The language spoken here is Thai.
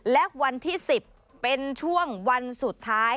และวันที่๑๐เป็นช่วงวันสุดท้าย